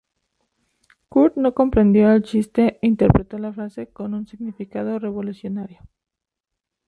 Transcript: Kurt no comprendió el chiste e interpretó la frase con un significado revolucionario.